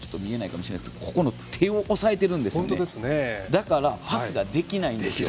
だから、パスができないんです。